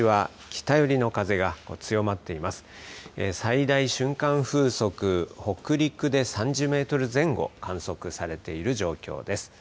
北陸で３０メートル前後観測されている状況です。